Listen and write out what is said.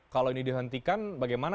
kalau ini dihentikan bagaimana